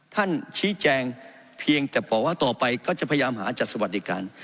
ท่านชี้แจงเพียงแต่บอกว่าต่อไปก็จะพยายามหาจัดสวัสดิการ